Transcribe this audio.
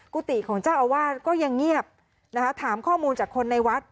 กุฏิของเจ้าอาวาสก็ยังเงียบนะคะถามข้อมูลจากคนในวัด